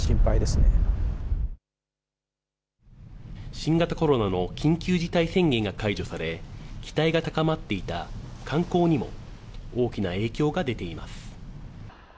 新型コロナの緊急事態宣言が解除され、期待が高まっていた観光にも、大きな影響が出ています。